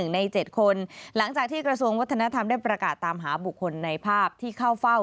ใน๗คนหลังจากที่กระทรวงวัฒนธรรมได้ประกาศตามหาบุคคลในภาพที่เข้าเฝ้า